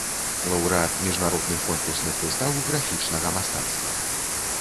Лаўрэат міжнародных конкурсных выстаў графічнага мастацтва.